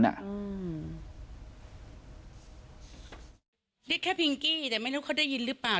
เรียกแค่พิงกี้แต่ไม่รู้เขาได้ยินหรือเปล่า